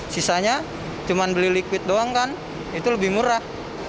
sisanya cuma beli liquid doang kan itu lebih murah